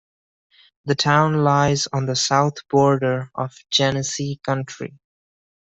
The town lies on the south border of Genesee County.